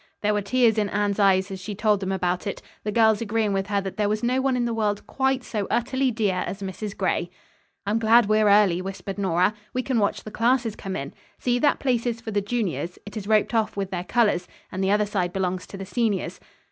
There were tears in Anne's eyes as she told them about it, the girls agreeing with her that there was no one in the world quite so utterly dear as Mrs. Gray. "I'm glad we're early," whispered Nora. "We can watch the classes come in. See, that place is for the juniors. It is roped off with their colors and the other side belongs to the seniors."